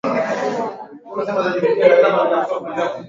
ugonjwa wa kisukari unatibika kwa namna tofauti